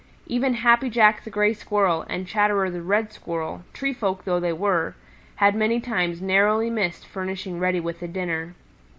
Even Happy Jack the Gray Squirrel and Chatterer the Red Squirrel, tree folk though they were, had many times narrowly missed furnishing Reddy with a dinner.